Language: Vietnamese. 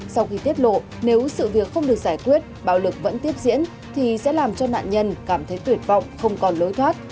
sau khi tiết lộ nếu sự việc không được giải quyết bạo lực vẫn tiếp diễn thì sẽ làm cho nạn nhân cảm thấy tuyệt vọng không còn lối thoát